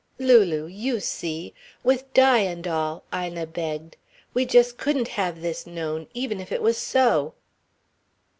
"Lulu you see! With Di and all!" Ina begged. "We just couldn't have this known even if it was so."